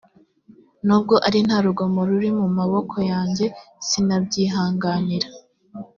nubwo ari nta rugomo ruri mu maboko yanjye sinabyihanganira